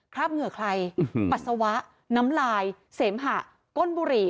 เหงื่อใครปัสสาวะน้ำลายเสมหะก้นบุหรี่